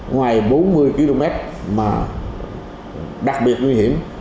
ngoài bốn mươi km mà đặc biệt nguy hiểm